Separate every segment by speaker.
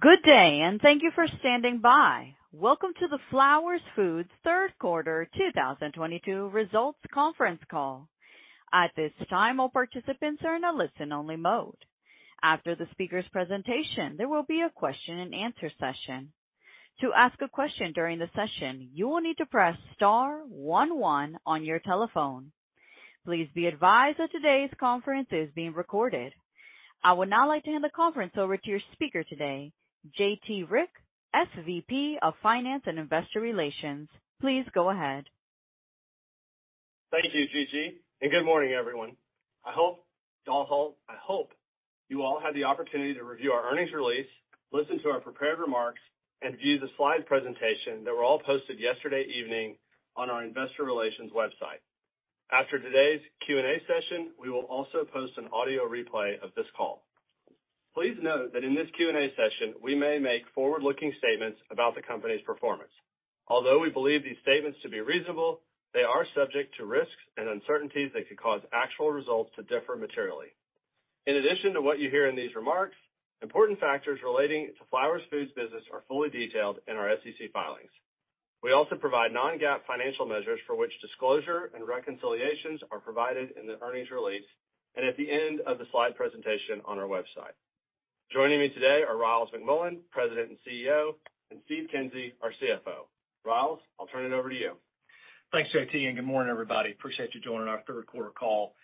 Speaker 1: Good day, and thank you for standing by. Welcome to the Flowers Foods Third Quarter 2022 Results Conference Call. At this time, all participants are in a listen-only mode. After the speaker's presentation, there will be a question and answer session. To ask a question during the session, you will need to press star one one on your telephone. Please be advised that today's conference is being recorded. I would now like to hand the conference over to your speaker today, J.T. Rieck, SVP of Finance and Investor Relations. Please go ahead.
Speaker 2: Thank you, Gigi, and good morning, everyone. I hope you all had the opportunity to review our earnings release, listen to our prepared remarks, and view the slide presentation that were all posted yesterday evening on our investor relations website. After today's Q&A session, we will also post an audio replay of this call. Please note that in this Q&A session we may make forward-looking statements about the company's performance. Although we believe these statements to be reasonable, they are subject to risks and uncertainties that could cause actual results to differ materially. In addition to what you hear in these remarks, important factors relating to Flowers Foods business are fully detailed in our SEC filings. We also provide non-GAAP financial measures for which disclosure and reconciliations are provided in the earnings release and at the end of the slide presentation on our website. Joining me today are Ryals McMullian, President and CEO, and Steve Kinsey, our CFO. Ryals, I'll turn it over to you.
Speaker 3: Thanks, J.T., and good morning, everybody. Appreciate you joining our third quarter call.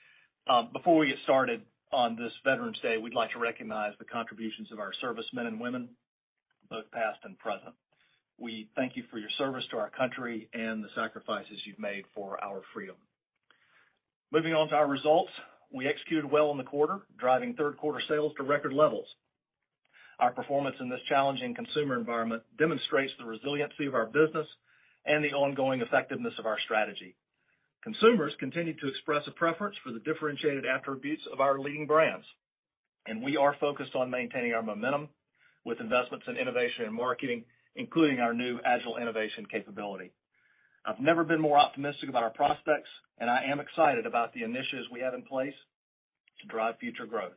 Speaker 3: Before we get started on this Veterans Day, we'd like to recognize the contributions of our servicemen and women, both past and present. We thank you for your service to our country and the sacrifices you've made for our freedom. Moving on to our results, we executed well in the quarter, driving third quarter sales to record levels. Our performance in this challenging consumer environment demonstrates the resiliency of our business and the ongoing effectiveness of our strategy. Consumers continue to express a preference for the differentiated attributes of our leading brands, and we are focused on maintaining our momentum with investments in innovation and marketing, including our new agile innovation capability. I've never been more optimistic about our prospects, and I am excited about the initiatives we have in place to drive future growth.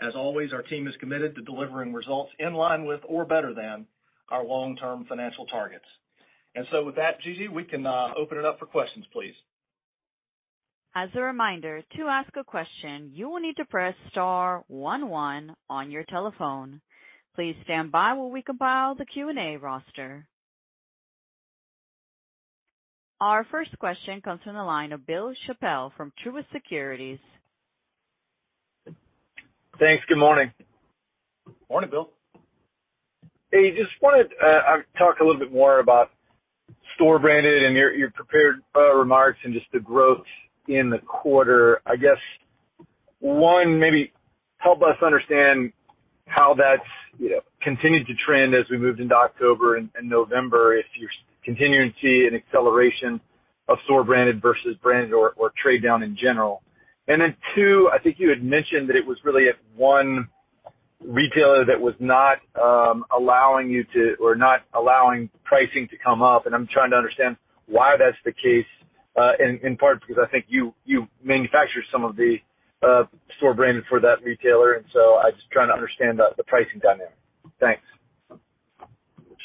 Speaker 3: As always, our team is committed to delivering results in line with or better than our long-term financial targets. With that, Gigi, we can open it up for questions, please.
Speaker 1: As a reminder, to ask a question, you will need to press star one one on your telephone. Please stand by while we compile the Q&A roster. Our first question comes from the line of Bill Chappell from Truist Securities.
Speaker 4: Thanks. Good morning.
Speaker 3: Morning, Bill.
Speaker 4: Hey, just wanted to talk a little bit more about store branded and your prepared remarks and just the growth in the quarter. I guess, one, maybe help us understand how that's continued to trend as we moved into October and November, if you're continuing to see an acceleration of store branded versus brand or trade down in general. Then, two, I think you had mentioned that it was really at one retailer that was not allowing you to or not allowing pricing to come up, and I'm trying to understand why that's the case, in part because I think you manufacture some of the store branding for that retailer, and so I'm just trying to understand the pricing dynamic. Thanks.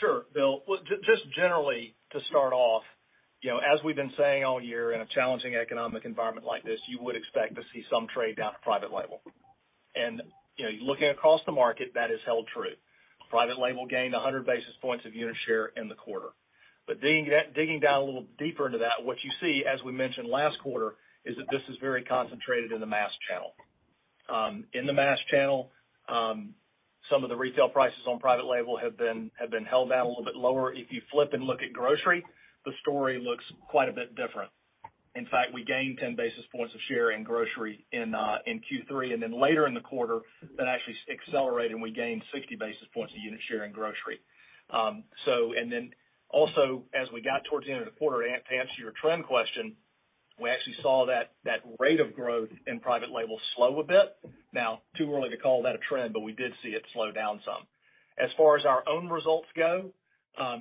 Speaker 3: Sure, Bill. Well, just generally to start off, as we've been saying all year, in a challenging economic environment like this, you would expect to see some trade down to private label. Looking across the market, that has held true. Private label gained 100 basis points of unit share in the quarter. Digging down a little deeper into that, what you see, as we mentioned last quarter, is that this is very concentrated in the mass channel. In the mass channel, some of the retail prices on private label have been held down a little bit lower. If you flip and look at grocery, the story looks quite a bit different. In fact, we gained 10 basis points of share in grocery in Q3, and then later in the quarter, that actually accelerated, and we gained 60 basis points a unit share in grocery. Also, as we got towards the end of the quarter, and to answer your trend question, we actually saw that rate of growth in private label slow a bit. Now too early to call that a trend, but we did see it slow down some. As far as our own results go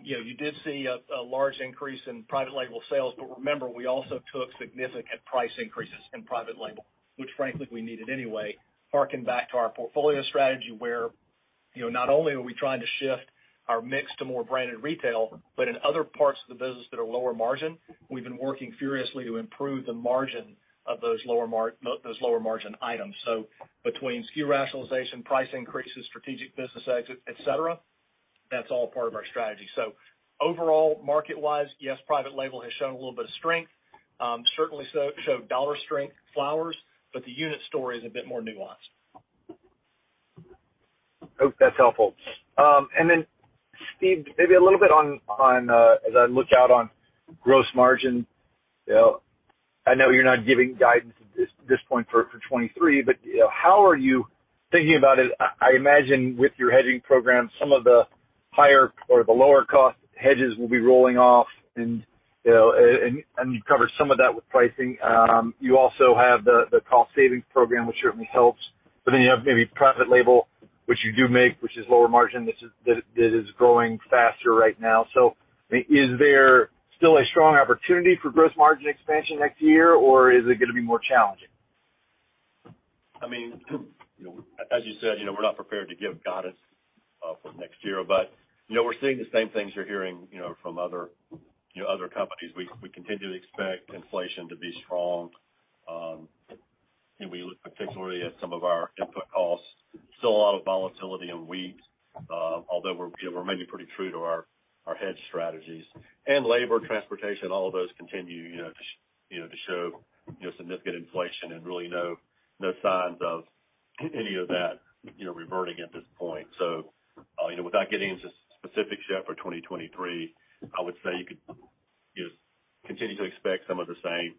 Speaker 3: you did see a large increase in private label sales. Remember, we also took significant price increases in private label, which frankly, we needed anyway, harking back to our portfolio strategy where not only are we trying to shift our mix to more branded retail, but in other parts of the business that are lower margin, we've been working furiously to improve the margin of those lower margin items. Between SKU rationalization, price increases, strategic business exits, et cetera, that's all part of our strategy. Overall, market-wise, yes, private label has shown a little bit of strength. Certainly showed dollar strength Flowers, but the unit story is a bit more nuanced.
Speaker 4: Hope that's helpful. Steve, maybe a little bit on as I look out on gross margin I know you're not giving guidance at this point for 2023, but how are you thinking about it? I imagine with your hedging program, some of the higher or the lower cost hedges will be rolling off and and you cover some of that with pricing. You also have the cost savings program, which certainly helps. You have maybe private label which you do make, which is lower margin, which is growing faster right now. Is there still a strong opportunity for gross margin expansion next year, or is it gonna be more challenging?
Speaker 5: I mean as you said we're not prepared to give guidance for next year, but we're seeing the same things you're hearing from other companies. We continue to expect inflation to be strong. We look particularly at some of our input costs. Still a lot of volatility in wheat, although we're remaining pretty true to our hedge strategies. Labor, transportation, all of those continue to show significant inflation and really no signs of any of that reverting at this point. Without getting into specifics, Jeff, for 2023, I would say you could continue to expect some of the same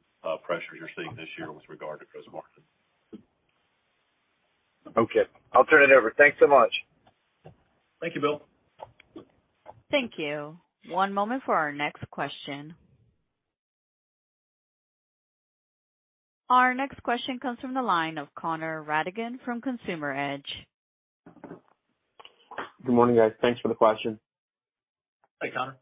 Speaker 5: pressures you're seeing this year with regard to gross margin.
Speaker 4: Okay. I'll turn it over. Thanks so much.
Speaker 3: Thank you, Bill.
Speaker 1: Thank you. One moment for our next question. Our next question comes from the line of Connor Rattigan from Consumer Edge.
Speaker 6: Good morning, guys. Thanks for the question.
Speaker 3: Hey, Connor.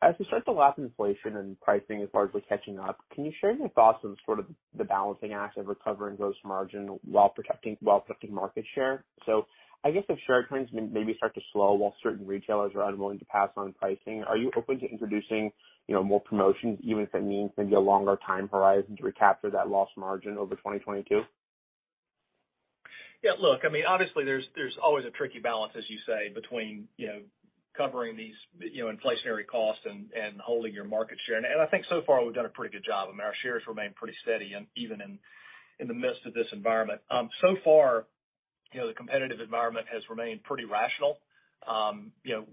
Speaker 6: As we start to lap inflation and pricing is largely catching up, can you share your thoughts on sort of the balancing act of recovering gross margin while protecting market share? I guess if share trends maybe start to slow while certain retailers are unwilling to pass on pricing, are you open to introducing more promotions, even if it means maybe a longer time horizon to recapture that lost margin over 2022?
Speaker 3: Yeah, look, I mean, obviously there's always a tricky balance, as you say, between covering these inflationary costs and holding your market share. I think so far we've done a pretty good job. I mean, our shares remain pretty steady and even in the midst of this environment. So far, the competitive environment has remained pretty rational.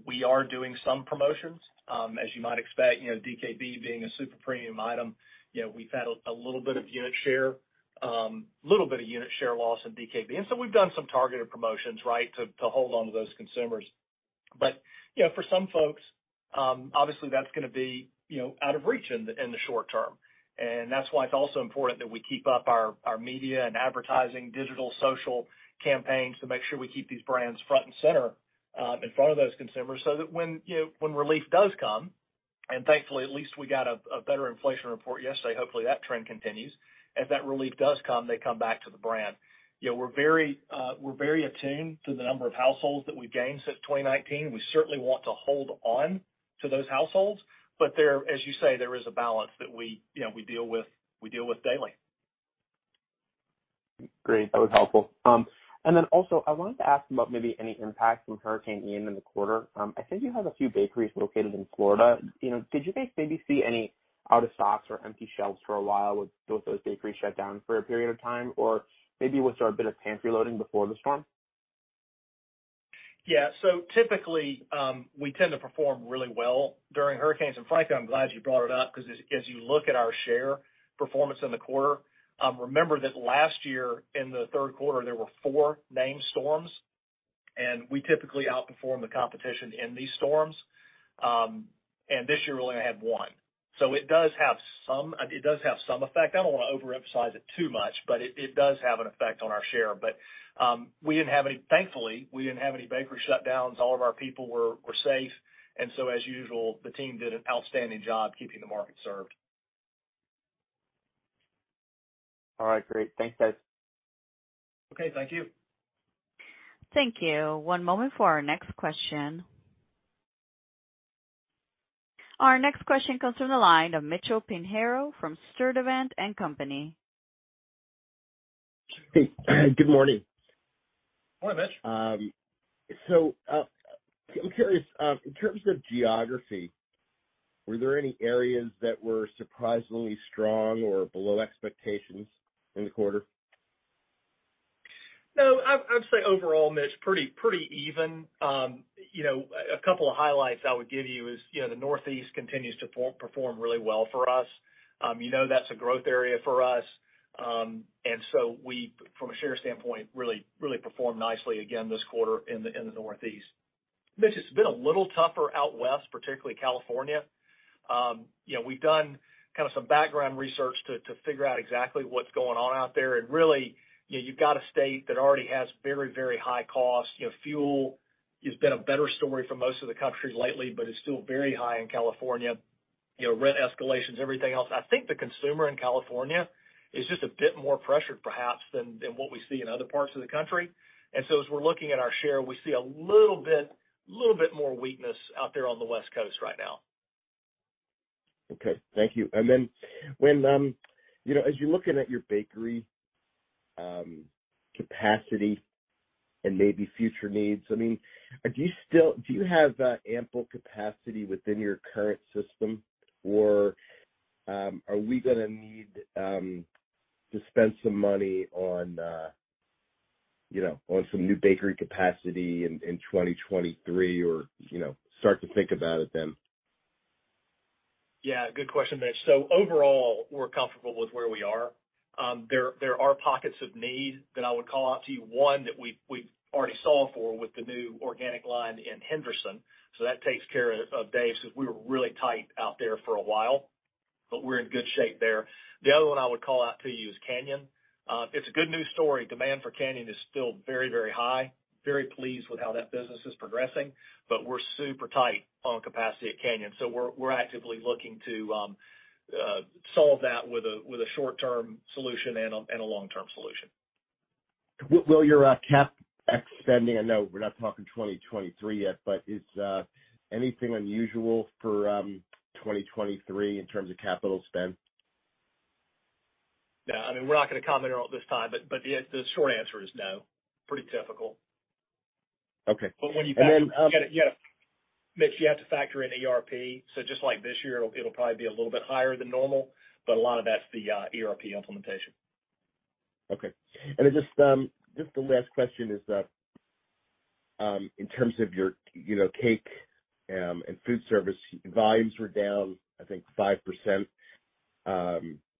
Speaker 3: We are doing some promotions, as you might expect DKB being a super premium item we've had a little bit of unit share, little bit of unit share loss in DKB. We've done some targeted promotions, right, to hold onto those consumers. For some folks, obviously that's gonna be out of reach in the short term. That's why it's also important that we keep up our media and advertising, digital, social campaigns to make sure we keep these brands front and center in front of those consumers so that when when relief does come, and thankfully at least we got a better inflation report yesterday, hopefully that trend continues. If that relief does come, they come back to the brand. We're very attuned to the number of households that we've gained since 2019. We certainly want to hold on to those households, but as you say, there is a balance that we we deal with daily.
Speaker 6: Great. That was helpful. I wanted to ask about maybe any impact from Hurricane Ian in the quarter. I think you have a few bakeries located in Florida. Did you guys maybe see any out of stocks or empty shelves for a while with those bakeries shut down for a period of time? Maybe was there a bit of pantry loading before the storm?
Speaker 3: Yeah. Typically, we tend to perform really well during hurricanes. Frankly, I'm glad you brought it up because as you look at our share performance in the quarter, remember that last year in the third quarter, there were four named storms and we typically outperform the competition in these storms. This year we only had one. It does have some effect. I don't wanna overemphasize it too much, but it does have an effect on our share. Thankfully, we didn't have any bakery shutdowns. All of our people were safe. As usual, the team did an outstanding job keeping the market served.
Speaker 6: All right, great. Thanks guys.
Speaker 3: Okay. Thank you.
Speaker 1: Thank you. One moment for our next question. Our next question comes from the line of Mitchell Pinheiro from Stifel, Nicolaus & Company.
Speaker 7: Hey, good morning.
Speaker 3: Hi, Mitch.
Speaker 7: I'm curious, in terms of geography, were there any areas that were surprisingly strong or below expectations in the quarter?
Speaker 3: No, I'd say overall, Mitch, pretty even. A couple of highlights I would give you is the Northeast continues to perform really well for us. That's a growth area for us. So we, from a share standpoint, really performed nicely again this quarter in the Northeast. Mitch, it's been a little tougher out west, particularly California. We've done kind of some background research to figure out exactly what's going on out there. Really, you've got a state that already has very high costs. Fuel has been a better story for most of the country lately, but is still very high in California. Rent escalations, everything else. I think the consumer in California is just a bit more pressured perhaps than what we see in other parts of the country. As we're looking at our share, we see a little bit more weakness out there on the West Coast right now.
Speaker 7: Okay. Thank you. When as you're looking at your bakery capacity and maybe future needs, I mean, do you have ample capacity within your current system or are we gonna need to spend some money on some new bakery capacity in 2023 or start to think about it then?
Speaker 3: Yeah, good question, Mitch. Overall, we're comfortable with where we are. There are pockets of need that I would call out to you. One, that we already solved for with the new organic line in Henderson. That takes care of base as we were really tight out there for a while. We're in good shape there. The other one I would call out to you is Canyon. It's a good news story. Demand for Canyon is still very, very high. Very pleased with how that business is progressing, but we're super tight on capacity at Canyon. We're actively looking to solve that with a short-term solution and a long-term solution.
Speaker 7: Will your CapEx spending, I know we're not talking 2023 yet, but is anything unusual for 2023 in terms of capital spend?
Speaker 3: No. I mean, we're not gonna comment on it at this time, but the short answer is no, pretty typical.
Speaker 7: Okay.
Speaker 3: Mitch, you have to factor in ERP. Just like this year, it'll probably be a little bit higher than normal, but a lot of that's the ERP implementation.
Speaker 7: Okay. Just the last question is that, in terms of your cake, and food service, volumes were down, I think 5%.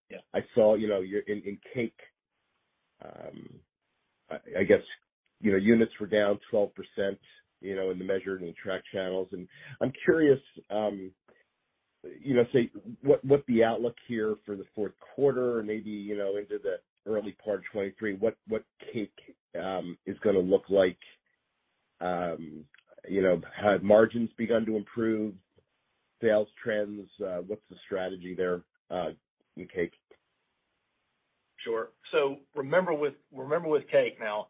Speaker 3: Yeah.
Speaker 7: I saw in cake, I guess units were down 12% in the measured and tracked channels. I'm curious so what the outlook here for the fourth quarter, maybe into the early part of 2023, what cake is gonna look like have margins begun to improve? Sales trends, what's the strategy there in cake?
Speaker 3: Sure. Remember with cake now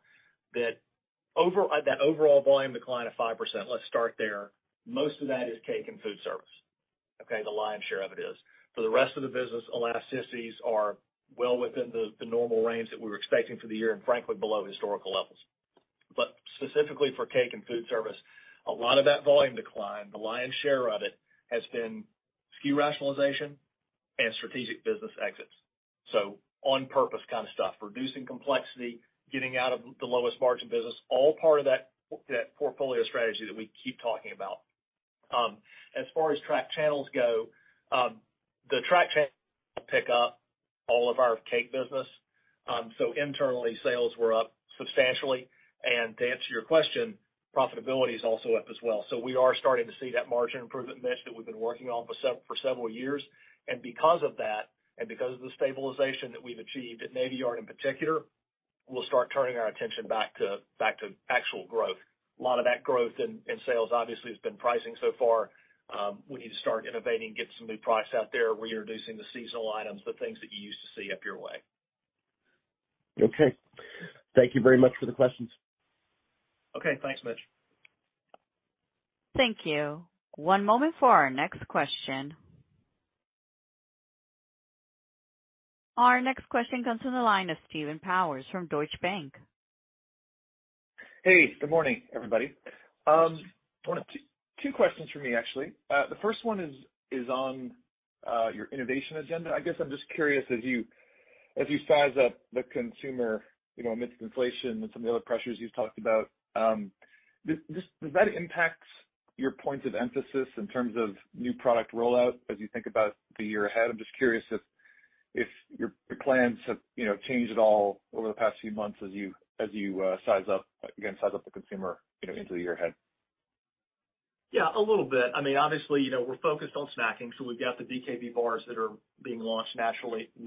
Speaker 3: that overall volume decline of 5%, let's start there, most of that is cake and food service. Okay. The lion's share of it is. For the rest of the business, elasticities are well within the normal range that we were expecting for the year, and frankly, below historical levels. Specifically for cake and food service, a lot of that volume decline, the lion's share of it has been SKU rationalization and strategic business exits. On purpose kind of stuff, reducing complexity, getting out of the lowest margin business, all part of that portfolio strategy that we keep talking about. As far as tracked channels go, the tracked channels pick up all of our cake business. Internally, sales were up substantially. To answer your question, profitability is also up as well. We are starting to see that margin improvement, Mitch, that we've been working on for several years. Because of that, and because of the stabilization that we've achieved at Navy Yard in particular, we'll start turning our attention back to actual growth. A lot of that growth in sales obviously has been pricing so far. We need to start innovating, get some new products out there, reintroducing the seasonal items, the things that you used to see up your way.
Speaker 7: Okay. Thank you very much for the questions.
Speaker 3: Okay. Thanks, Mitch.
Speaker 1: Thank you. One moment for our next question. Our next question comes from the line of Steve Powers from Deutsche Bank.
Speaker 8: Hey, good morning, everybody. One of two questions for me, actually. The first one is on your innovation agenda. I guess I'm just curious, as you size up the consumer amidst inflation and some of the other pressures you've talked about, does that impact your points of emphasis in terms of new product rollout as you think about the year ahead? I'm just curious if your plans have changed at all over the past few months as you size up the consumer again into the year ahead.
Speaker 3: Yeah, a little bit. I mean, obviously we're focused on snacking, so we've got the DKB bars that are being launched nationally in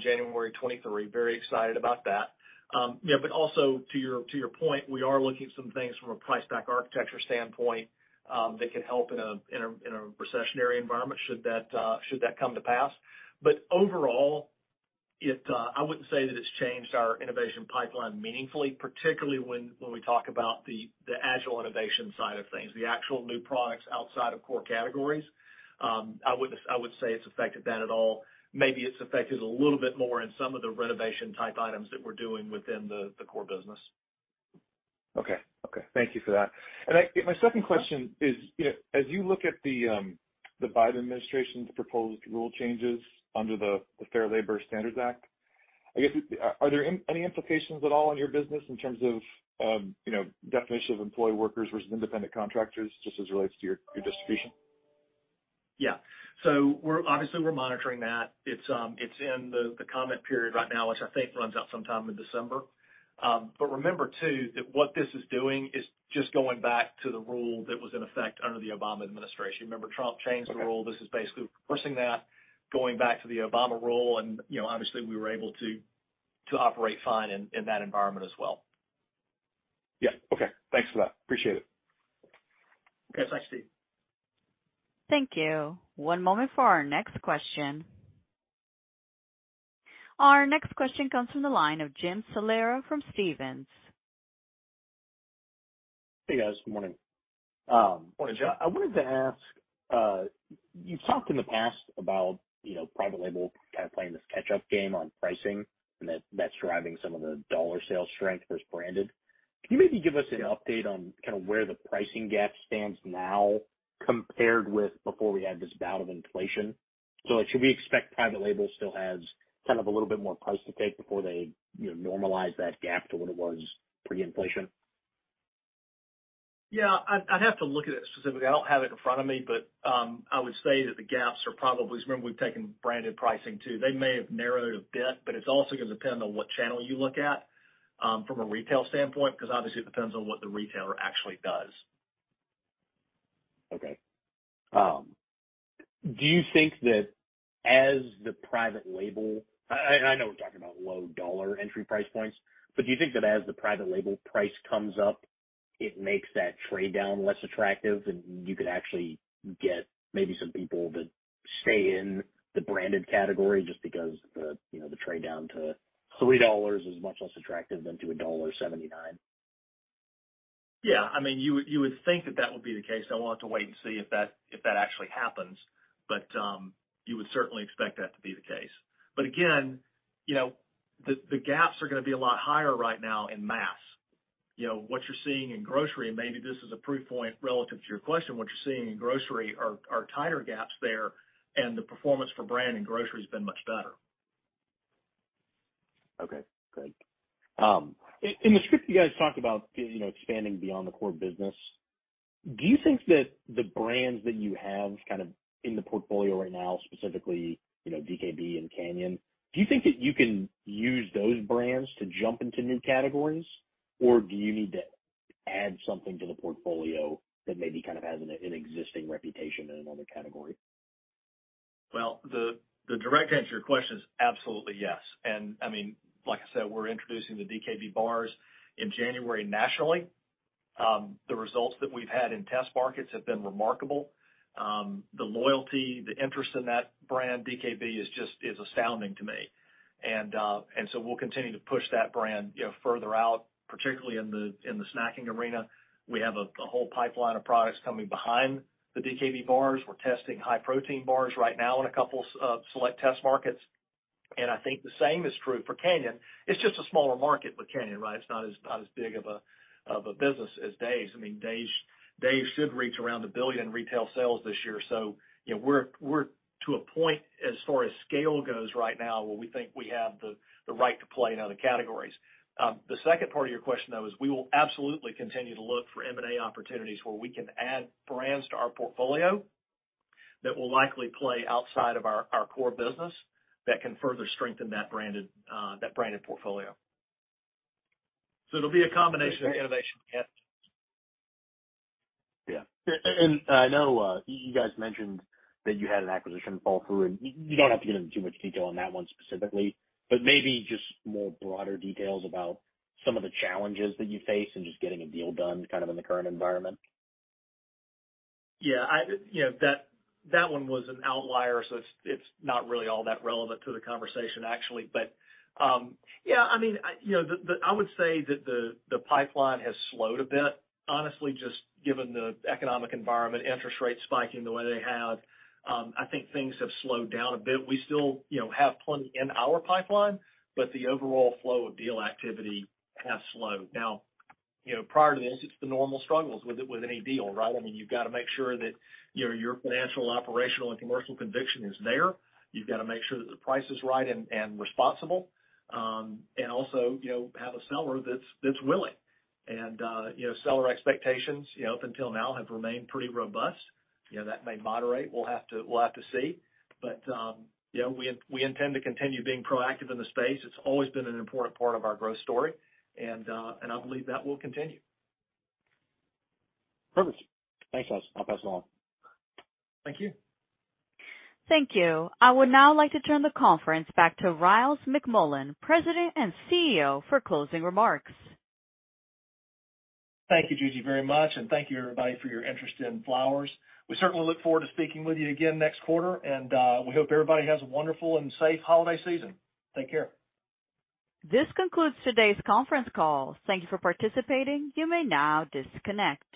Speaker 3: January 2023. Very excited about that. Yeah, but also to your point, we are looking at some things from a price-pack architecture standpoint that can help in a recessionary environment should that come to pass. But overall, I wouldn't say that it's changed our innovation pipeline meaningfully, particularly when we talk about the agile innovation side of things, the actual new products outside of core categories. I wouldn't say it's affected that at all. Maybe it's affected a little bit more in some of the renovation type items that we're doing within the core business.
Speaker 8: Okay. Thank you for that. My second question is as you look at the Biden administration's proposed rule changes under the Fair Labor Standards Act, I guess, are there any implications at all on your business in terms of definition of employee workers versus independent contractors just as it relates to your distribution?
Speaker 3: Yeah. We're obviously monitoring that. It's in the comment period right now, which I think runs out sometime in December. Remember too that what this is doing is just going back to the rule that was in effect under the Obama administration. Remember, Trump changed the rule. This is basically reversing that, going back to the Obama rule. Obviously we were able to operate fine in that environment as well.
Speaker 8: Yeah. Okay. Thanks for that. Appreciate it.
Speaker 3: Okay. Thanks, Steve.
Speaker 1: Thank you. One moment for our next question. Our next question comes from the line of Jim Salera from Stephens.
Speaker 9: Hey, guys. Good morning.
Speaker 3: Morning, Jim.
Speaker 9: I wanted to ask, you've talked in the past about private label kind of playing this catch up game on pricing and that that's driving some of the dollar sales strength versus branded. Can you maybe give us an update on kind of where the pricing gap stands now compared with before we had this bout of inflation? Should we expect private label still has kind of a little bit more price to take before they normalize that gap to what it was pre-inflation?
Speaker 3: I'd have to look at it specifically. I don't have it in front of me, but I would say that the gaps are probably. Remember, we've taken branded pricing, too. They may have narrowed a bit, but it's also gonna depend on what channel you look at. From a retail standpoint, 'cause obviously it depends on what the retailer actually does.
Speaker 9: Okay, do you think that as the private label price—I know we're talking about low dollar entry price points, but do you think that as the private label price comes up, it makes that trade down less attractive and you could actually get maybe some people to stay in the branded category just because the the trade down to $3 is much less attractive than to $1.79?
Speaker 3: Yeah. I mean, you would think that would be the case. I'll want to wait and see if that actually happens. You would certainly expect that to be the case. Again the gaps are gonna be a lot higher right now in mass. What you're seeing in grocery, and maybe this is a proof point relative to your question, what you're seeing in grocery are tighter gaps there, and the performance for brand and grocery has been much better.
Speaker 9: Okay, great. In the script, you guys talked about expanding beyond the core business. Do you think that the brands that you have kind of in the portfolio right now, specifically DKB and Canyon, do you think that you can use those brands to jump into new categories, or do you need to add something to the portfolio that maybe kind of has an existing reputation in another category?
Speaker 3: The direct answer to your question is absolutely yes. I mean, like I said, we're introducing the DKB bars in January nationally. The results that we've had in test markets have been remarkable. The loyalty, the interest in that brand, DKB, is astounding to me. We'll continue to push that brand further out, particularly in the snacking arena. We have a whole pipeline of products coming behind the DKB bars. We're testing high protein bars right now in a couple of select test markets. I think the same is true for Canyon. It's just a smaller market with Canyon, right? It's not as big of a business as Dave's. I mean, Dave's should reach around $1 billion in retail sales this year. We're to a point as far as scale goes right now, where we think we have the right to play in other categories. The second part of your question, though, is we will absolutely continue to look for M&A opportunities where we can add brands to our portfolio that will likely play outside of our core business that can further strengthen that branded portfolio. It'll be a combination of innovation and.
Speaker 9: Yeah. I know you guys mentioned that you had an acquisition fall through, and you don't have to get into too much detail on that one specifically, but maybe just more broader details about some of the challenges that you face in just getting a deal done kind of in the current environment.
Speaker 3: Yeah. That one was an outlier, so it's not really all that relevant to the conversation actually. Yeah, I mean I would say that the pipeline has slowed a bit, honestly, just given the economic environment, interest rates spiking the way they have. I think things have slowed down a bit. We still have plenty in our pipeline, but the overall flow of deal activity has slowed. Now prior to this, it's the normal struggles with any deal, right? I mean, you've gotta make sure that your financial, operational, and commercial conviction is there. You've gotta make sure that the price is right and responsible. And also have a seller that's willing. Seller expectations up until now have remained pretty robust. That may moderate. We'll have to see. We intend to continue being proactive in the space. It's always been an important part of our growth story and I believe that will continue.
Speaker 9: Perfect. Thanks, guys. I'll pass it on.
Speaker 3: Thank you.
Speaker 1: Thank you. I would now like to turn the conference back to Ryals McMullian, President and CEO, for closing remarks.
Speaker 3: Thank you, Judy, very much, and thank you everybody for your interest in Flowers. We certainly look forward to speaking with you again next quarter and, we hope everybody has a wonderful and safe holiday season. Take care.
Speaker 1: This concludes today's conference call. Thank you for participating. You may now disconnect.